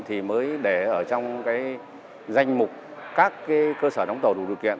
thì mới để ở trong cái danh mục các cái cơ sở đóng tàu đủ điều kiện